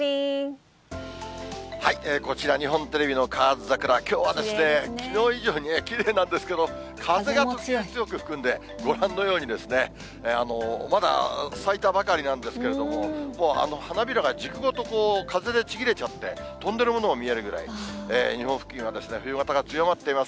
こちら、日本テレビのカワヅザクラ、きょうはきのう以上にきれいなんですけど、風がとても強く含んで、ご覧のように、まだ咲いたばかりなんですけれども、もう花びらが軸ごと風でちぎれちゃって、飛んでるものも見えるぐらい、日本付近は冬型が強まっています。